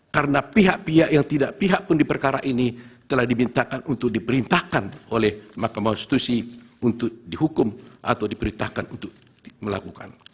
karena pihak pihak yang tidak pihak pun diperkara ini telah dimintakan untuk diperintahkan oleh mahkamah konstitusi untuk dihukum atau diperintahkan untuk melakukan